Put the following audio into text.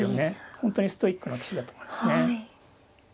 本当にストイックな棋士だと思いますね。